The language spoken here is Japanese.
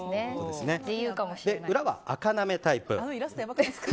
裏は、あかなめタイプ。